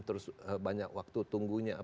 terus banyak waktu tunggunya